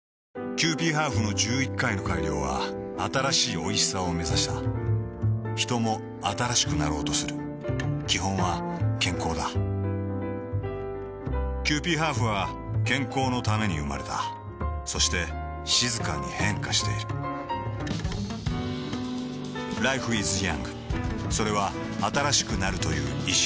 キユーピーハーフの１１回の改良は新しいおいしさをめざしたヒトも新しくなろうとする基本は健康だキユーピーハーフは健康のために生まれたそして静かに変化しているＬｉｆｅｉｓｙｏｕｎｇ．それは新しくなるという意識